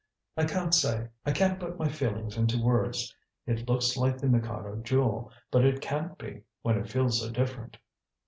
"I can't say; I can't put my feelings into words. It looks like the Mikado Jewel, but it can't be, when it feels so different."